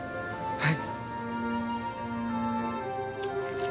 はい。